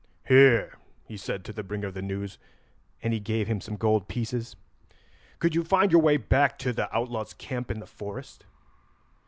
"Here," he said to the bringer of the news, and he gave him some gold pieces. "Could you find your way back to the outlaws' camp in the forest?"